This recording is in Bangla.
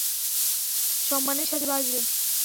সম্মানের সাথে বাঁচবে।